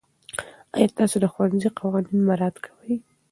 آیا تاسو د ښوونځي قوانین مراعات کوئ؟